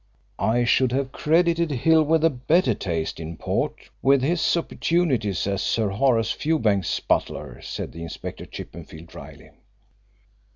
"I should have credited Hill with a better taste in port, with his opportunities as Sir Horace Fewbanks's butler," said Inspector Chippenfield drily.